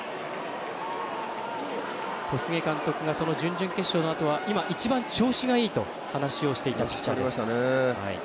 小菅監督が準々決勝のあとは今、一番調子がいいと話をしていたピッチャーです。